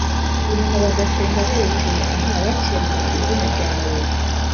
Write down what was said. nyuma bagasenga berekeye aha bakerura izina ryawe